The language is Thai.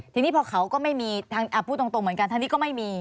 ทีนี้พอเขาก็ไม่มีทางพูดตรงเหมือนกันทางนี้ก็ไม่มี